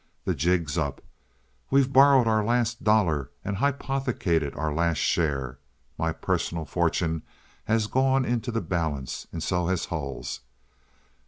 The jig's up. We've borrowed our last dollar and hypothecated our last share. My personal fortune has gone into the balance, and so has Hull's.